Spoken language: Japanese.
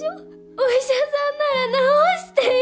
お医者さんなら治してよ。